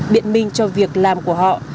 biện minh cho việc làm của họ